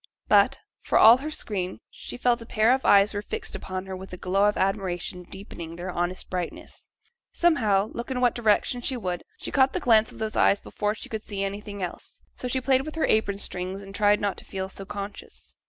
But, for all her screen, she felt a pair of eyes were fixed upon her with a glow of admiration deepening their honest brightness. Somehow, look in what direction she would, she caught the glance of those eyes before she could see anything else. So she played with her apron strings, and tried not to feel so conscious.